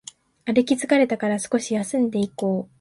歩き疲れたから少し休んでいこう